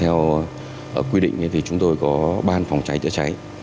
theo quy định thì chúng tôi có ban phòng cháy chữa cháy